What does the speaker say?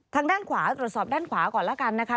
ทางด้านขวาตรวจสอบด้านขวาก่อนแล้วกันนะคะ